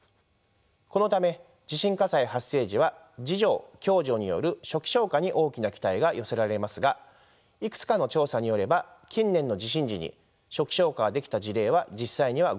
このため地震火災発生時は自助共助による初期消火に大きな期待が寄せられますがいくつかの調査によれば近年の地震時に初期消火ができた事例は実際にはごく僅かです。